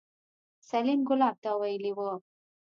سليم ګلاب ته ويلي وو.